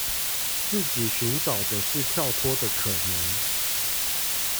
自己尋找的是跳脫的可能